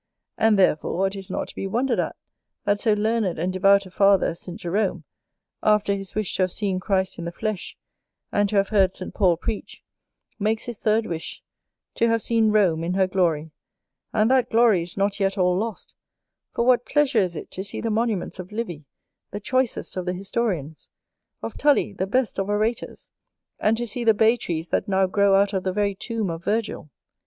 And therefore it is not to be wondered at, that so learned and devout a father as St. Jerome, after his wish to have seen Christ in the flesh, and to have heard St. Paul preach, makes his third wish, to have seen Rome in her glory; and that glory is not yet all lost, for what pleasure is it to see the monuments of Livy, the choicest of the historians; of Tully, the best of orators; and to see the bay trees that now grow out of the very tomb of Virgil!